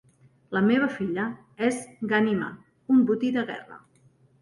La meva filla és Ghanima, un botí de guerra.